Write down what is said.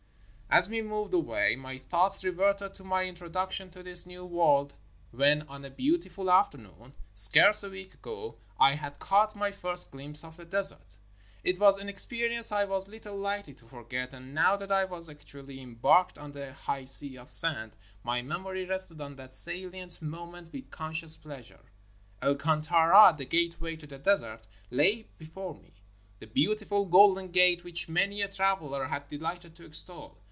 As we moved away, my thoughts reverted to my in troduction to this new world, when on a beautiful after noon, scarce a week ago, I had caught my first gUmpse of the desert. It was an experience I was Httle Hkely to forget, and now that I was actually embarked on the high sea of sand, my memory rested on that salient mo ment with conscious pleasure. El Kantara, the gate way to the desert, lay before me — the beautiful golden gate which many a traveler has dehghted to extol.